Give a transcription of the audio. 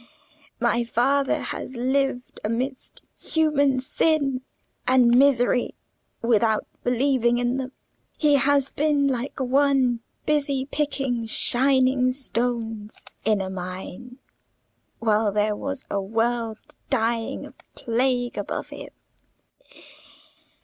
My father has lived amidst human sin and misery without believing in them: he has been like one busy picking shining stones in a mine, while there was a world dying of plague above him.